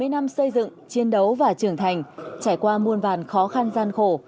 bảy mươi năm xây dựng chiến đấu và trưởng thành trải qua muôn vàn khó khăn gian khổ